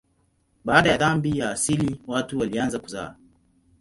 Baada ya dhambi ya asili watu walianza kuzaa.